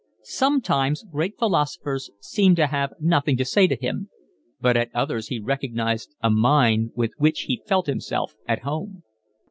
Sometimes great philosophers seemed to have nothing to say to him, but at others he recognised a mind with which he felt himself at home.